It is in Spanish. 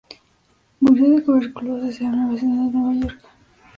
Murió de tuberculosis en la ciudad de Nueva York.